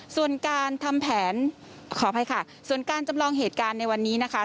ส่วนการทำแผนขออภัยค่ะส่วนการจำลองเหตุการณ์ในวันนี้นะคะ